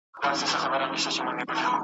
سل ځله په دار سمه، سل ځله سنګسار سمه `